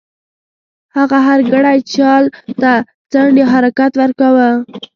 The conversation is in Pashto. هغه هر ګړی جال ته څنډ یا حرکت ورکاوه.